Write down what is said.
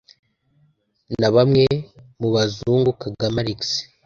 na bamwe mu Bazungu kagame alexis